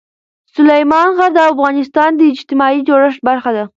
سلیمان غر د افغانستان د اجتماعي جوړښت برخه ده.